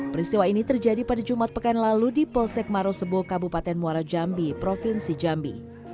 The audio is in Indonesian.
peristiwa ini terjadi pada jumat pekan lalu di polsek marosebo kabupaten muara jambi provinsi jambi